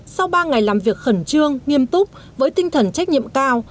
sau ba ngày làm việc khẩn trương nghiêm túc với tinh thần trách nhiệm cao